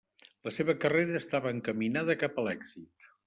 La seva carrera estava encaminada cap a l'èxit.